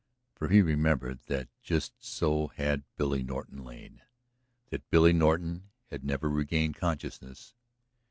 For he remembered that just so had Billy Norton lain, that Billy Norton had never regained consciousness